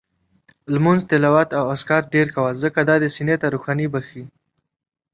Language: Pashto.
لمونځ، تلاوت او اذکار ډېر کوه، ځکه دا دې سینې ته روښاني بخښي